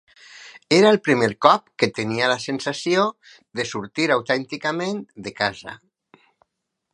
Era el primer cop que tenia la sensació de sortir autènticament de casa.